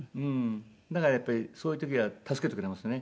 だからやっぱりそういう時は助けてくれますね。